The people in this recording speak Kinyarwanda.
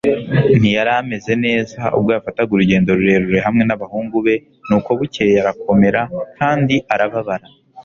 Ntiyari ameze neza ubwo yafataga urugendo rurerure hamwe nabahungu be nuko bukeye arakomera kandi arababara